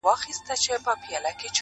كوم حميد به خط و خال كاغذ ته يوسي-